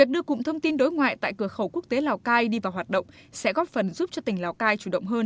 đưa cụm thông tin đối ngoại tại cửa khẩu quốc tế lào cai đi vào hoạt động sẽ góp phần giúp cho tỉnh lào cai chủ động hơn